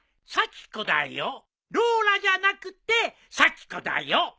「さきこだよローラじゃなくてさきこだよ」